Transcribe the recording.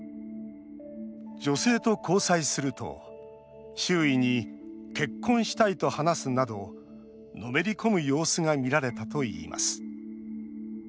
女性と交際すると周囲に「結婚したい」と話すなどのめり込む様子がみられたといいます。